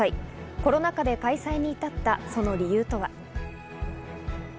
コロナ禍で開催に至ったその理由とは？